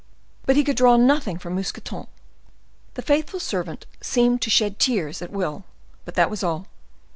But he could draw nothing from Mousqueton,—the faithful servant seemed to shed tears at will, but that was all.